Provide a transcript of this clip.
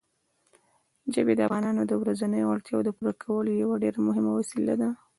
ژبې د افغانانو د ورځنیو اړتیاوو د پوره کولو یوه ډېره مهمه وسیله ده.